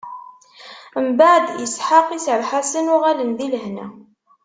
Mbeɛd, Isḥaq iserreḥ-asen, uɣalen di lehna.